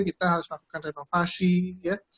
kita harus melakukan renovasi ya